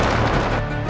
aku mau ke kanjeng itu